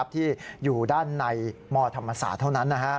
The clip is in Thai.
ที่อยู่ด้านในมธรรมศาสตร์เท่านั้น